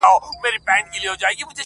زخمي زخمي ټوټه ټوټه دي کړمه،